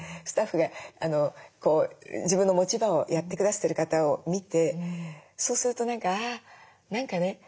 スタッフが自分の持ち場をやって下さってる方を見てそうすると何かね